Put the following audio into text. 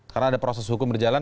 karena ada proses hukum berjalan